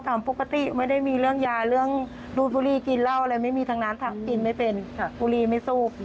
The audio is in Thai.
ถักกินไม่เป็นปุรีไม่สูบ